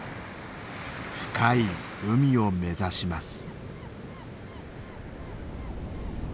深い海を目指します。